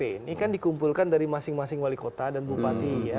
ini kan dikumpulkan dari masing masing wali kota dan bupati ya